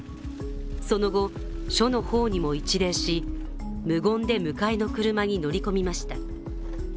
その後、署の方にも一礼し、無言で迎えの車に乗り込みました。